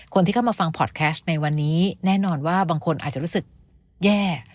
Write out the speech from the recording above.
คนที่เข้ามาฟังพอร์ตแคสต์ในวันนี้แน่นอนว่าบางคนอาจจะรู้สึกแย่